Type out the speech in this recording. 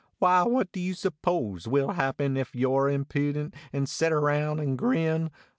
\Vhy ; what do you suppose Will happen if you re impident an set around an grin